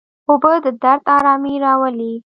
اوبه د درد آرامي راولي.